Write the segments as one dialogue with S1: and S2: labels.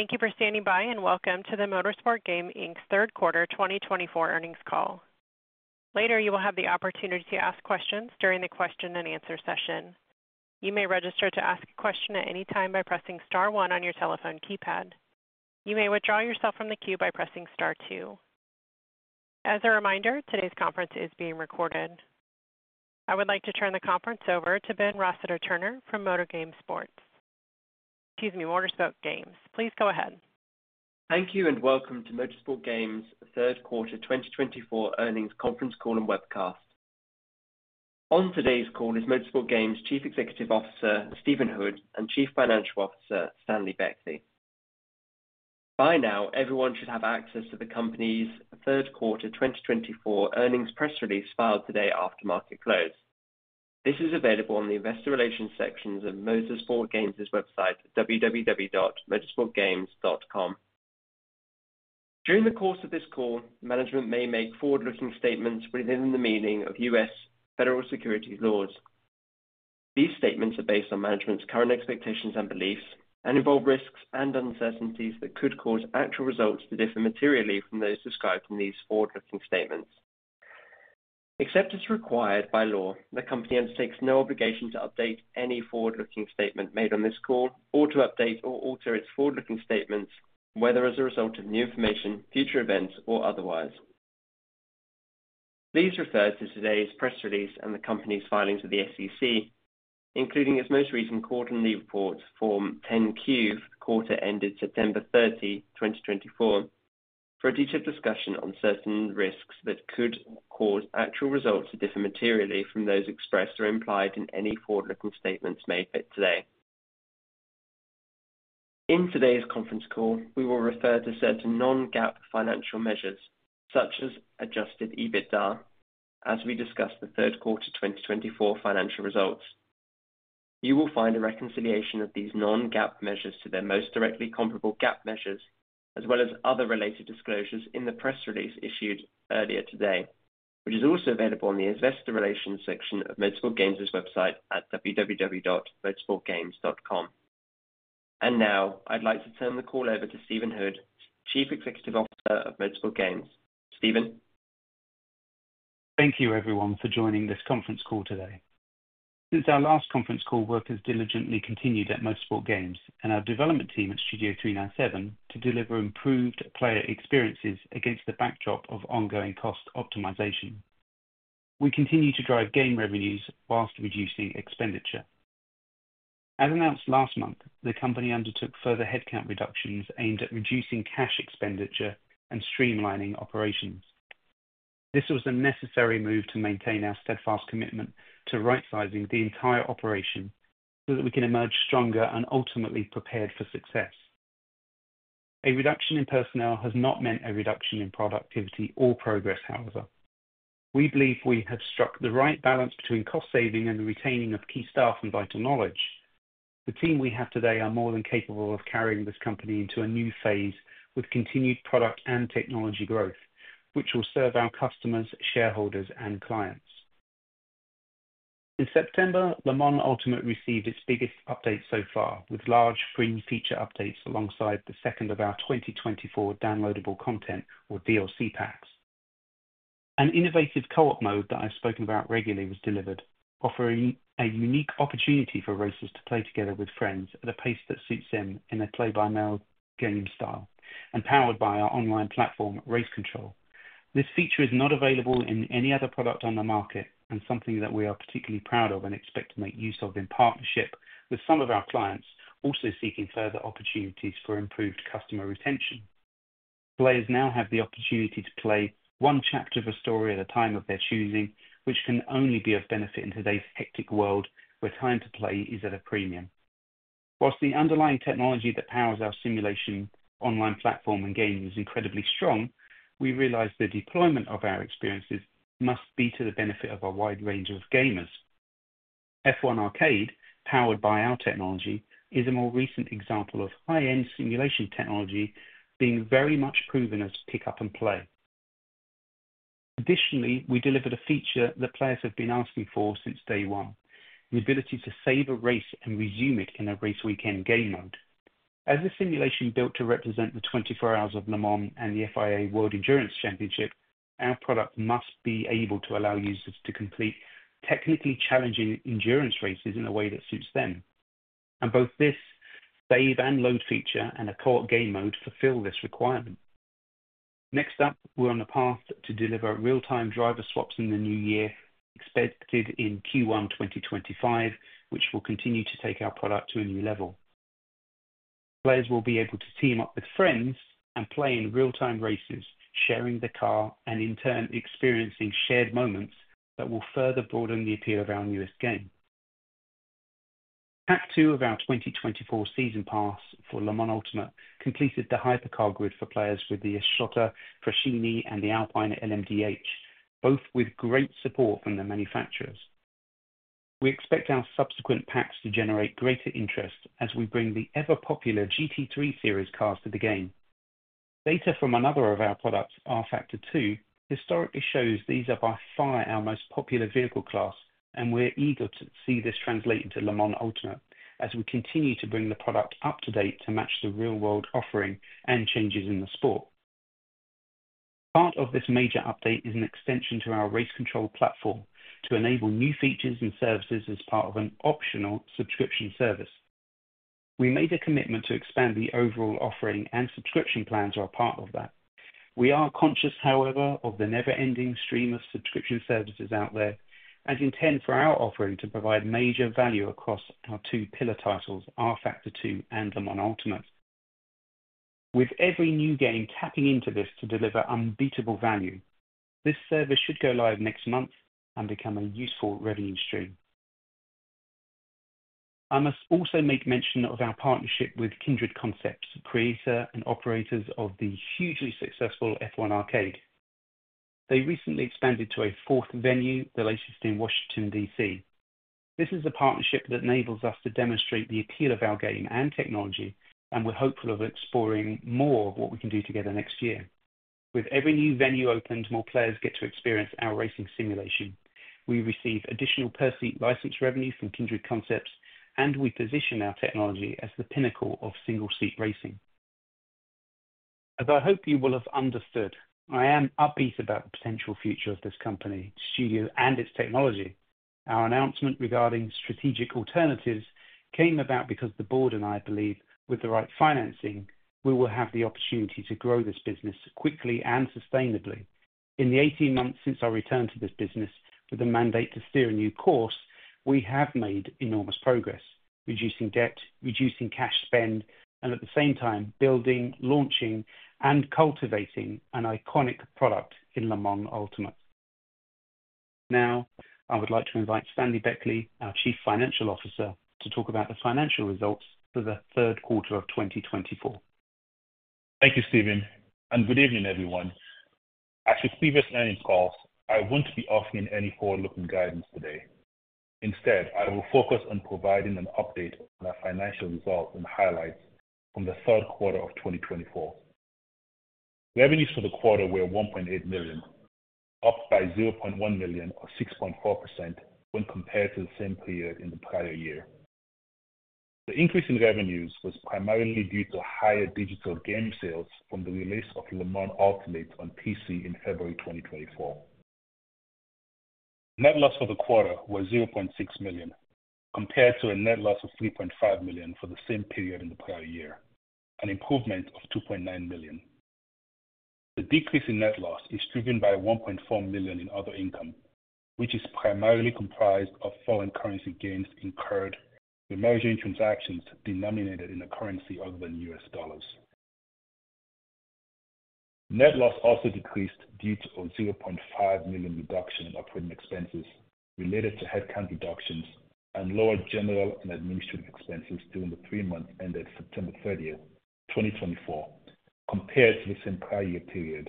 S1: Thank you for standing by and welcome to the Motorsport Games Inc.'s third quarter 2024 earnings call. Later, you will have the opportunity to ask questions during the question-and-answer session. You may register to ask a question at any time by pressing Star one on your telephone keypad. You may withdraw yourself from the queue by pressing Star two. As a reminder, today's conference is being recorded. I would like to turn the conference over to Ben Rossiter-Turner from Motorsport Games. Please go ahead.
S2: Thank you and welcome to Motorsport Games' third quarter 2024 earnings conference call and webcast. On today's call is Motorsport Games Chief Executive Officer Stephen Hood and Chief Financial Officer Stanley Beckley. By now, everyone should have access to the company's third quarter 2024 earnings press release filed today after market close. This is available on the investor relations sections of Motorsport Games' website at www.motorsportgames.com. During the course of this call, management may make forward-looking statements within the meaning of U.S. federal securities laws. These statements are based on management's current expectations and beliefs and involve risks and uncertainties that could cause actual results to differ materially from those described in these forward-looking statements. Except as required by law, the company undertakes no obligation to update any forward-looking statement made on this call or to update or alter its forward-looking statements, whether as a result of new information, future events, or otherwise. Please refer to today's press release and the company's filings with the SEC, including its most recent quarterly report, Form 10-Q, for the quarter ended September 30, 2024, for a detailed discussion on certain risks that could cause actual results to differ materially from those expressed or implied in any forward-looking statements made today. In today's conference call, we will refer to certain non-GAAP financial measures, such as adjusted EBITDA, as we discuss the third quarter 2024 financial results. You will find a reconciliation of these non-GAAP measures to their most directly comparable GAAP measures, as well as other related disclosures, in the press release issued earlier today, which is also available on the investor relations section of Motorsport Games' website at www.motorsportgames.com. And now, I'd like to turn the call over to Stephen Hood, Chief Executive Officer of Motorsport Games. Stephen.
S3: Thank you, everyone, for joining this conference call today. Since our last conference call, work has diligently continued at Motorsport Games and our development team at Studio 397 to deliver improved player experiences against the backdrop of ongoing cost optimization. We continue to drive game revenues while reducing expenditure. As announced last month, the company undertook further headcount reductions aimed at reducing cash expenditure and streamlining operations. This was a necessary move to maintain our steadfast commitment to right-sizing the entire operation so that we can emerge stronger and ultimately prepared for success. A reduction in personnel has not meant a reduction in productivity or progress, however. We believe we have struck the right balance between cost saving and the retaining of key staff and vital knowledge. The team we have today are more than capable of carrying this company into a new phase with continued product and technology growth, which will serve our customers, shareholders, and clients. In September, Le Mans Ultimate received its biggest update so far, with large free feature updates alongside the second of our 2024 downloadable content, or DLC packs. An innovative Co-op mode that I've spoken about regularly was delivered, offering a unique opportunity for racers to play together with friends at a pace that suits them in a play-by-mail game style and powered by our online platform, Race Control. This feature is not available in any other product on the market and something that we are particularly proud of and expect to make use of in partnership with some of our clients, also seeking further opportunities for improved customer retention. Players now have the opportunity to play one chapter of a story at a time of their choosing, which can only be of benefit in today's hectic world where time to play is at a premium. While the underlying technology that powers our simulation online platform and game is incredibly strong, we realize the deployment of our experiences must be to the benefit of a wide range of gamers. F1 Arcade, powered by our technology, is a more recent example of high-end simulation technology being very much proven as pick-up and play. Additionally, we delivered a feature that players have been asking for since day one: the ability to save a race and resume it in a race weekend game mode. As a simulation built to represent the 24 Hours of Le Mans and the FIA World Endurance Championship, our product must be able to allow users to complete technically challenging endurance races in a way that suits them, and both this save-and-load feature and a Co-op mode fulfill this requirement. Next up, we're on a path to deliver real-time driver swaps in the new year, expected in Q1 2025, which will continue to take our product to a new level. Players will be able to team up with friends and play in real-time races, sharing the car and, in turn, experiencing shared moments that will further broaden the appeal of our newest game. Pack 2 of our 2024 season pass for Le Mans Ultimate completed the Hypercar grid for players with the Isotta Fraschini and the Alpine LMDh, both with great support from the manufacturers. We expect our subsequent packs to generate greater interest as we bring the ever-popular GT3 series cars to the game. Data from another of our products, rFactor 2, historically shows these are by far our most popular vehicle class, and we're eager to see this translate into Le Mans Ultimate as we continue to bring the product up to date to match the real-world offering and changes in the sport. Part of this major update is an extension to our Race Control platform to enable new features and services as part of an optional subscription service. We made a commitment to expand the overall offering and subscription plan to our part of that. We are conscious, however, of the never-ending stream of subscription services out there and intend for our offering to provide major value across our two pillar titles, rFactor 2 and Le Mans Ultimate. With every new game tapping into this to deliver unbeatable value, this service should go live next month and become a useful revenue stream. I must also make mention of our partnership with Kindred Concepts, creator and operators of the hugely successful F1 Arcade. They recently expanded to a fourth venue, the latest in Washington, D.C. This is a partnership that enables us to demonstrate the appeal of our game and technology, and we're hopeful of exploring more of what we can do together next year. With every new venue opened, more players get to experience our racing simulation. We receive additional per-seat license revenue from Kindred Concepts, and we position our technology as the pinnacle of single-seat racing. As I hope you will have understood, I am upbeat about the potential future of this company, the studio, and its technology. Our announcement regarding strategic alternatives came about because the board and I believe with the right financing, we will have the opportunity to grow this business quickly and sustainably. In the 18 months since our return to this business, with the mandate to steer a new course, we have made enormous progress, reducing debt, reducing cash spend, and at the same time, building, launching, and cultivating an iconic product in Le Mans Ultimate. Now, I would like to invite Stanley Beckley, our Chief Financial Officer, to talk about the financial results for the third quarter of 2024.
S4: Thank you, Stephen, and good evening, everyone. As with previous earnings calls, I won't be offering any forward-looking guidance today. Instead, I will focus on providing an update on our financial results and highlights from the third quarter of 2024. Revenues for the quarter were $1.8 million, up by $0.1 million, or 6.4%, when compared to the same period in the prior year. The increase in revenues was primarily due to higher digital game sales from the release of Le Mans Ultimate on PC in February 2024. Net loss for the quarter was $0.6 million, compared to a net loss of $3.5 million for the same period in the prior year, an improvement of $2.9 million. The decrease in net loss is driven by $1.4 million in other income, which is primarily comprised of foreign currency gains incurred from foreign transactions denominated in a currency other than U.S. dollars. Net loss also decreased due to a $0.5 million reduction in operating expenses related to headcount reductions and lower general and administrative expenses during the three months ended September 30, 2024, compared to the same prior year period,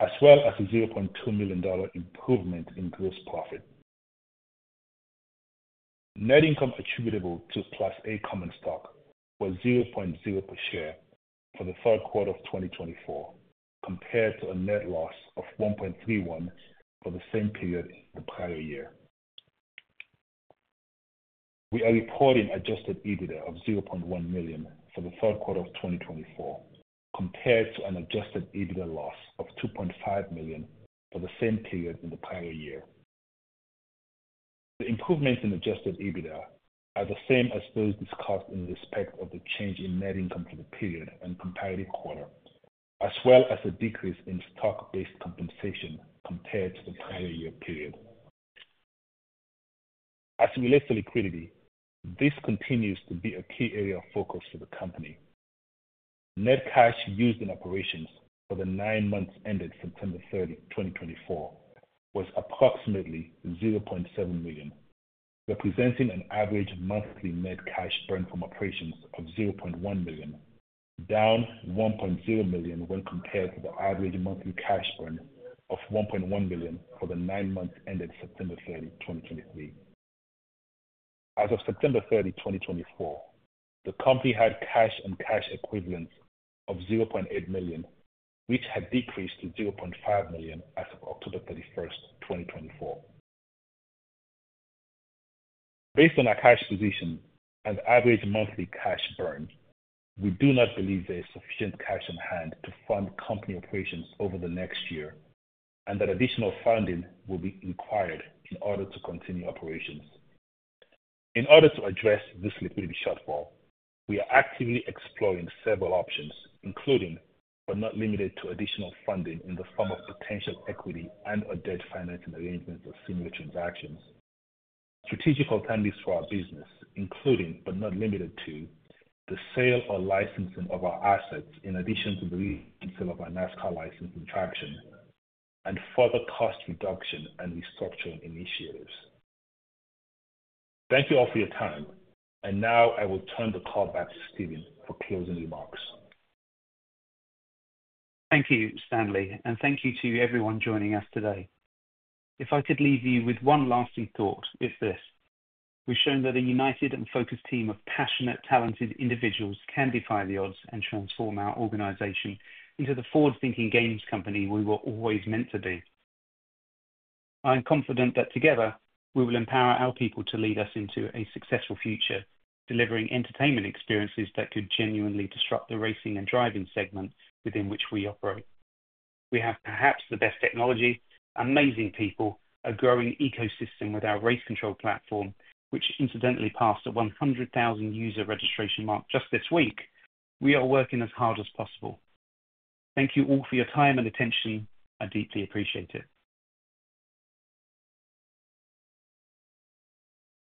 S4: as well as a $0.2 million improvement in gross profit. Net income attributable to Class A Common Stock was $0.00 per share for the third quarter of 2024, compared to a net loss of $1.31 for the same period in the prior year. We are reporting Adjusted EBITDA of $0.1 million for the third quarter of 2024, compared to an Adjusted EBITDA loss of $2.5 million for the same period in the prior year. The improvements in Adjusted EBITDA are the same as those discussed in respect of the change in net income for the period and comparative quarter, as well as a decrease in stock-based compensation compared to the prior year period. As we look for liquidity, this continues to be a key area of focus for the company. Net cash used in operations for the nine months ended September 30, 2024, was approximately $0.7 million, representing an average monthly net cash burn from operations of $0.1 million, down $1.0 million when compared to the average monthly cash burn of $1.1 million for the nine months ended September 30, 2023. As of September 30, 2024, the company had cash and cash equivalents of $0.8 million, which had decreased to $0.5 million as of October 31, 2024. Based on our cash position and average monthly cash burn, we do not believe there is sufficient cash on hand to fund company operations over the next year and that additional funding will be required in order to continue operations. In order to address this liquidity shortfall, we are actively exploring several options, including, but not limited to, additional funding in the form of potential equity and/or debt financing arrangements of similar transactions, strategic alternatives for our business, including, but not limited to, the sale or licensing of our assets in addition to the resale of our NASCAR license transaction, and further cost reduction and restructuring initiatives. Thank you all for your time, and now I will turn the call back to Stephen for closing remarks.
S3: Thank you, Stanley, and thank you to everyone joining us today. If I could leave you with one lasting thought, it's this: we've shown that a united and focused team of passionate, talented individuals can defy the odds and transform our organization into the forward-thinking games company we were always meant to be. I'm confident that together, we will empower our people to lead us into a successful future, delivering entertainment experiences that could genuinely disrupt the racing and driving segment within which we operate. We have perhaps the best technology, amazing people, a growing ecosystem with our Race Control platform, which incidentally passed a 100,000 user registration mark just this week. We are working as hard as possible. Thank you all for your time and attention. I deeply appreciate it.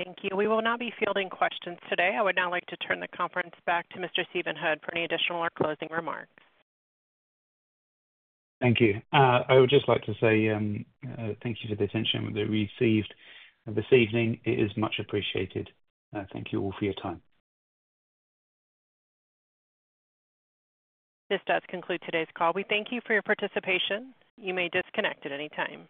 S1: Thank you. We will not be fielding questions today. I would now like to turn the conference back to Mr. Stephen Hood for any additional or closing remarks.
S3: Thank you. I would just like to say thank you for the attention that we received this evening. It is much appreciated. Thank you all for your time.
S1: This does conclude today's call. We thank you for your participation. You may disconnect at any time.